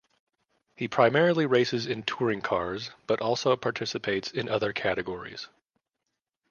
He primarily races in touring cars, but also participates in other categories.